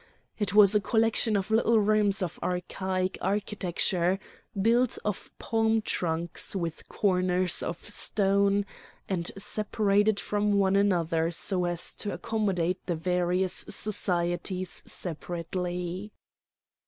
It was a collection of little rooms of archaic architecture, built of palm trunks with corners of stone, and separated from one another so as to accommodate the various societies separately.